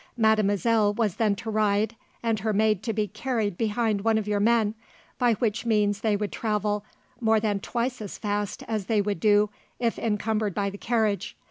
Mademoiselle was then to ride, and her maid to be carried behind one of your men, by which means they would travel more than twice as fast as they would do, if encumbered by the carriage.